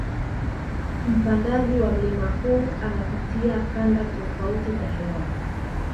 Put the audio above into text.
Mpandaji wa mlima huu anapitia kanda tofati za hewa